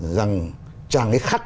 rằng chàng ấy khắc